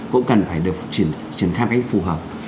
cũng cần phải được chuyển tham cách phù hợp